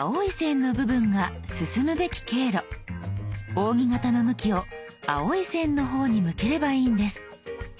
扇形の向きを青い線の方に向ければいいんです。